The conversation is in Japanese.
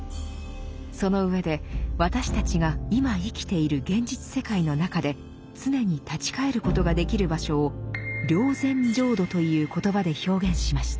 その上で私たちが今生きている現実世界の中で常に立ち返ることができる場所を「霊山浄土」という言葉で表現しました。